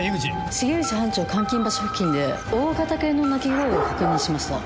重藤班長監禁場所付近で大型犬の鳴き声を確認しました。